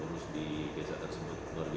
berbiasa sehingga kita mesurkan ke pintar kolonial